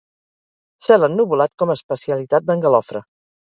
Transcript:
Cel ennuvolat com a especialitat d'en Galofre.